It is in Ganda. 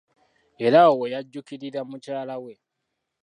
Era awo we yajjuukirira mukyala we.